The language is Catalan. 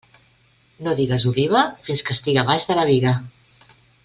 No digues oliva fins que estiga baix de la biga.